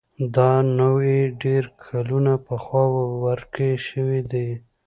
دا نوعې ډېر کلونه پخوا ورکې شوې دي.